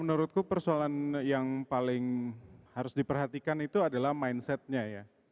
menurutku persoalan yang paling harus diperhatikan itu adalah mindsetnya ya